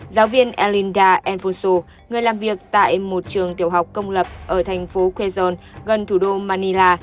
giáo viên elinda alfonso người làm việc tại một trường tiểu học công lập ở thành phố quezon gần thủ đô manila